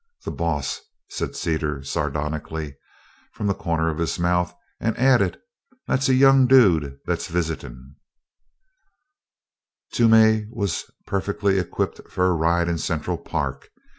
"The boss," said Teeters sardonically from the corner of his mouth, and added, "That's a young dude that's visitin'." Toomey was perfectly equipped for a ride in Central Park.